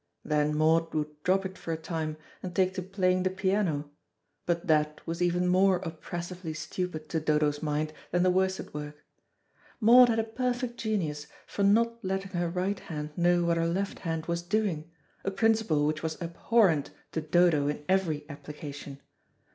Then Maud would drop it for a time, and take to playing the piano, but that was even more oppressively stupid to Dodo's mind than the worsted work. Maud had a perfect genius for not letting her right hand know what her left hand was doing, a principle which was abhorrent to Dodo in every application.